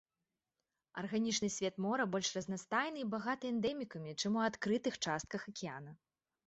Арганічны свет мора больш разнастайны і багаты эндэмікамі, чым у адкрытых частках акіяна.